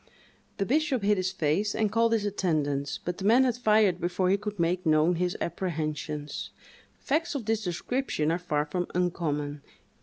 The bishop hid his face, and called his attendants, but the man had fired before he could make known his apprehensions. Facts of this description are far from uncommon.